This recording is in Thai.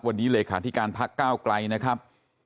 วันนี้เลยค่ะที่การพักก้าวกลายนะครับ